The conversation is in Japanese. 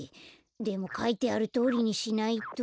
でもかいてあるとおりにしないと。